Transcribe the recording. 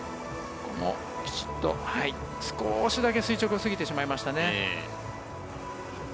少しだけ垂直すぎてしまいましたね。